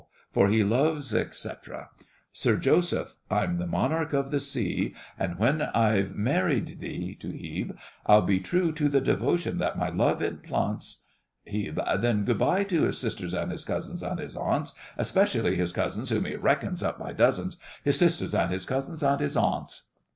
For he loves, etc. SIR JOSEPH. I'm the monarch of the sea, And when I've married thee (to HEBE), I'll be true to the devotion that my love implants, HEBE. Then good bye to his sisters, and his cousins, and his aunts, Especially his cousins, Whom he reckons up by dozens, His sisters, and his cousins, and his aunts!